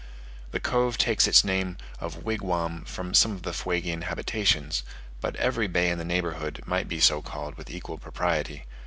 The cove takes its name of "Wigwam" from some of the Fuegian habitations; but every bay in the neighbourhood might be so called with equal propriety.